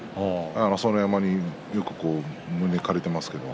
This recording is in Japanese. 朝乃山に、よく胸を借りていますけれど